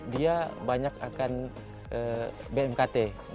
dia banyak akan bmkt